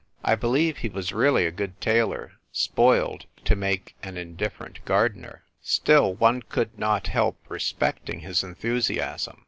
I believe he was really a good tailor spoiled to make an indifferent 74 THE TVrE WRITER (JIKL. gardener. Still, one could not lielp respect ing his enthusiasm.